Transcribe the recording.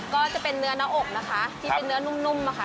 ก็จะเป็นเนื้อหน้าอกนะคะที่เป็นเนื้อนุ่มค่ะ